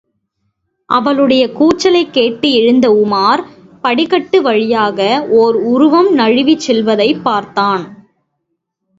அவளுடைய கூச்சலைக் கேட்டு எழுந்த உமார், படிக்கட்டு வழியாக ஓர் உருவம் நழுவிச்செல்வதைப் பார்த்தான்.